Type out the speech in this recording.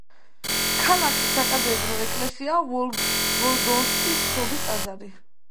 ქალაქის საკათედრო ეკლესიაა ვოლგოდონსკის შობის ტაძარი.